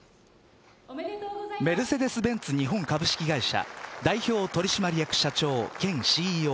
メルセデス・ベンツ日本株式会社代表取締役社長兼ＣＥＯ